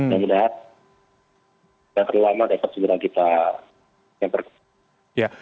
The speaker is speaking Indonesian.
dan mudah tidak terlalu lama dapat sebenarnya kita